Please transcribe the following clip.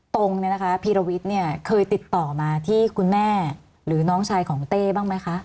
ตรงเนี่ยนะคะพีรวิทย์เนี่ยเคยติดต่อมาที่คุณแม่หรือน้องชายของเต้บ้างไหมคะ